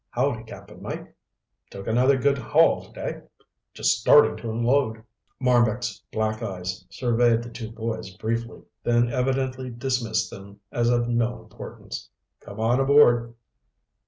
"Howdy, Cap'n Mike. Took another good haul today. Just startin' to unload." Marbek's black eyes surveyed the two boys briefly, then evidently dismissed them as of no importance. "Come on aboard."